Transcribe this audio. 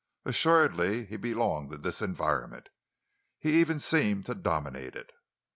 Assuredly he belonged in this environment—he even seemed to dominate it.